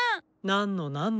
なんのなんの。